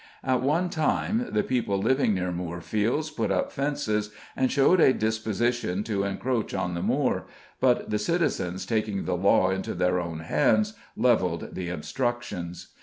At one time, the people living near Moorfields put up fences and showed a disposition to encroach on the moor, but the citizens, taking the law into their own hands, levelled the obstructions.